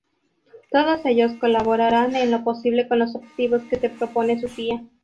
Todos ellos colaboraran en lo posible con los objetivos que se propone su tía.